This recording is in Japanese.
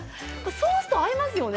ソースと合いますよね。